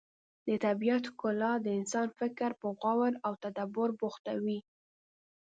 د طبیعت ښکلا د انسان فکر په غور او تدبر بوختوي.